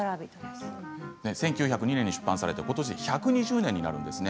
１９０２年に出版されてことしで１２０年になります。